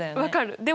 分かる。